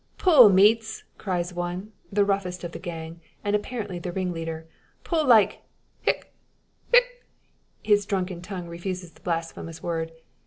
"Pull, meeats!" cries one, the roughest of the gang, and apparently the ringleader, "pull like hic hic!" his drunken tongue refuses the blasphemous word.